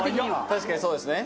確かにそうですね。